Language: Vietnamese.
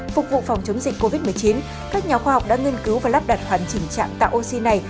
phục vụ phòng chống dịch covid một mươi chín các nhà khoa học đã nghiên cứu và lắp đặt hoàn chỉnh trạm tạo oxy này